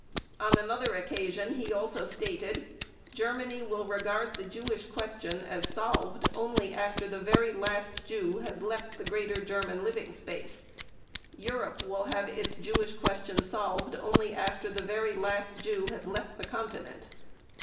On another occasion he also stated: "Germany will regard the Jewish question as solved only after the very last Jew has left the greater German living space ... Europe will have its Jewish question solved only after the very last Jew has left the Continent."